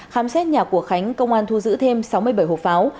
khám xét nhà của khánh công an thu giữ thêm sáu mươi bảy hộp pháo